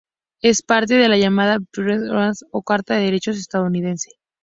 Es parte de la llamada "Bill of Rights" o Carta de Derechos estadounidense.